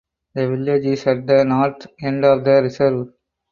The village is at the north end of the reserve.